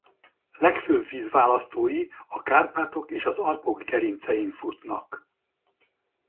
Legfőbb vízválasztói a Kárpátok és az Alpok gerincein futnak.